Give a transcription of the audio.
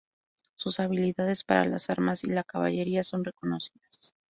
Sus habilidades para las armas y la caballería son reconocidas.